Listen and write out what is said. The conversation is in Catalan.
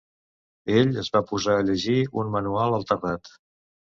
Ell es va posar a llegir un manual al terrat.